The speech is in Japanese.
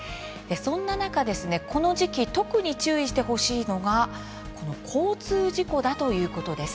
そんな中、この時期特に注意してほしいのが交通事故だということです。